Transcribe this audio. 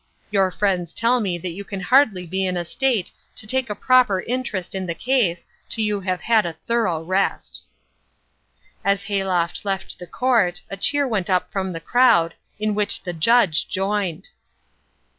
Your friends tell me that you can hardly be in a state to take a proper interest in the case till you have had a thorough rest." As Hayloft left the court a cheer went up from the crowd, in which the judge joined.